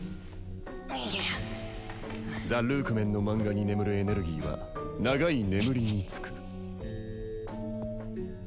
ザ・ルークメンの漫画に眠るエネルギーは長い眠りにつく。